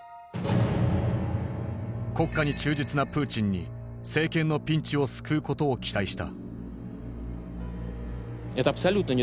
国家に忠実なプーチンに政権のピンチを救うことを期待した。